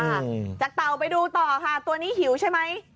อืมจากเต่าไปดูต่อค่ะตัวนี้หิวใช่ไหม